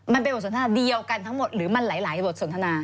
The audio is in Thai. มันเป็นบทสนทนาเดียวกันทั้งหมดหรือมันหลายบทสนทนา